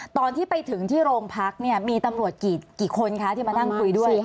ตอนที่ไปถึงที่โรงพักเนี่ยมีตำรวจกี่คนคะที่มานั่งคุยด้วย